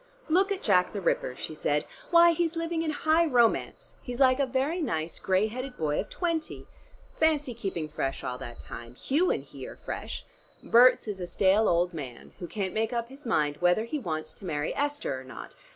"Look at Jack the Ripper," she said. "Why, he's living in high romance, he's like a very nice gray headed boy of twenty. Fancy keeping fresh all that time! Hugh and he are fresh. Berts is a stale old man, who can't make up his mind whether he wants to marry Esther or not.